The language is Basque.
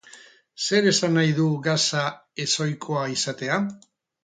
Zer esan nahi du gasa ezohikoa izatea?